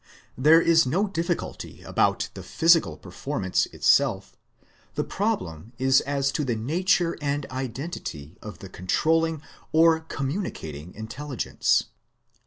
There is no difficulty about the physical performance itself. The problem is as to the nature and identity of the controlling or communicating intelligence.